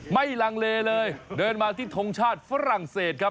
ลังเลเลยเดินมาที่ทงชาติฝรั่งเศสครับ